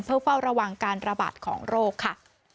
เพื่อเฝ้าระวังการระบาดของโรคค่ะ